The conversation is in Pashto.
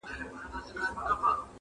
o بنده ليري مښلولې، خداى لار ورته نيولې!